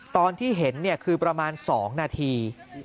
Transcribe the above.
ตอนที่เห็นคือประมาณ๒นาที